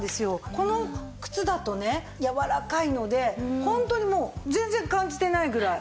この靴だとね柔らかいのでホントにもう全然感じてないぐらいラクです。